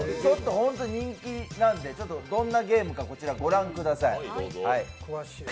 本当に人気なんで、どんなゲームかご覧ください。